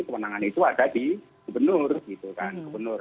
kemenangan itu ada di gubernur